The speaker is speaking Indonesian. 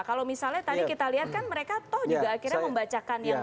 kalau misalnya tadi kita lihat kan mereka toh juga akhirnya membacakan yang